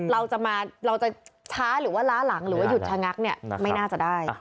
เราจะมาเราจะช้าหรือว่าล้าหลังหรือว่าหยุดชะงักเนี่ยไม่น่าจะได้